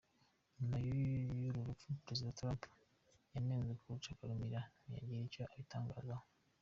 Nyuma y’uru rupfu, Perezida Trump, yanenzwe kuruca akarumira ntiyagira icyo abitangazaho.